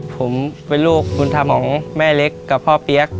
ผมเป็นลูกบุญธรรมของแม่เล็กกับพ่อเปี๊ยก